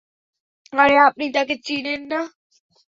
আরে, আপনি তাকে চিনেন না?